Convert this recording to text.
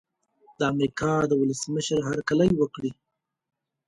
د امریکا د ولسمشر هرکلی وکړي.